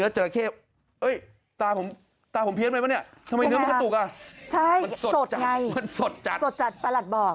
ใช่สดไงสดจัดสดจัดประหลัดบอก